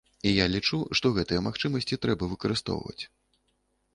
І я лічу, што гэтыя магчымасці трэба выкарыстоўваць.